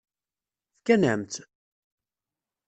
Fkan-am-tt?